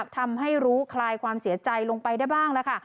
ทำให้รู้คลายความเสียใจลงไปได้บ้างแล้วค่ะ